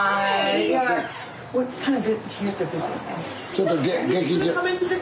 ちょっと劇場。